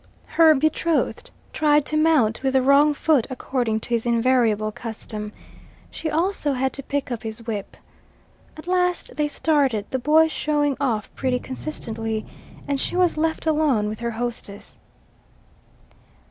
Her betrothed tried to mount with the wrong foot according to his invariable custom. She also had to pick up his whip. At last they started, the boy showing off pretty consistently, and she was left alone with her hostess.